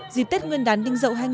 dịp tết nguyên đán đinh dậu hai nghìn